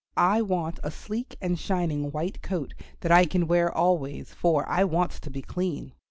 I want a sleek and shining white coat that I can wear always, for I want to be clean."